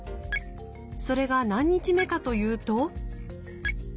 それが何日目かというと。